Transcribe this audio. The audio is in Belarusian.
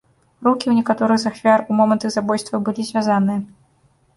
Рукі ў некаторых з ахвяр у момант іх забойствы былі звязаныя.